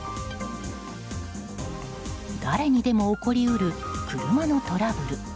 誰にでも起こり得る車のトラブル。